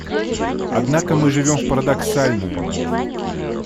Однако мы живем в парадоксальную эпоху.